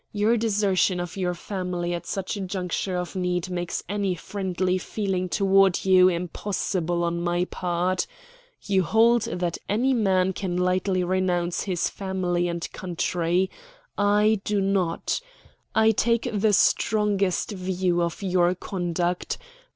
Your desertion of your family at such a juncture of need makes any friendly feeling toward you impossible on my part. You hold that any man can lightly renounce his family and country. I do not. I take the strongest view of your conduct.